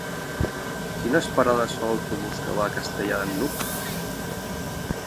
Quines parades fa l'autobús que va a Castellar de n'Hug?